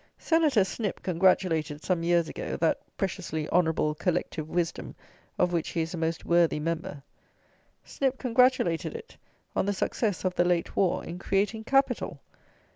Senator Snip congratulated, some years ago, that preciously honourable "Collective Wisdom" of which he is a most worthy Member; Snip congratulated it on the success of the late war in creating capital!